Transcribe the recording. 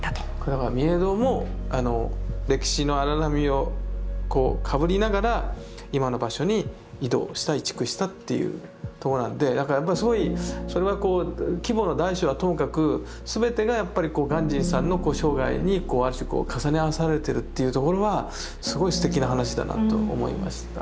だから御影堂も歴史の荒波をかぶりながら今の場所に移動した移築したっていうとこなんでだからやっぱすごいそれは規模の大小はともかく全てがやっぱり鑑真さんの生涯に重ね合わされてるっていうところはすごいすてきな話だなと思いました。